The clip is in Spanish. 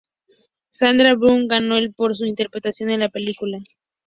Sandra Bullock ganó el por su interpretación en la película.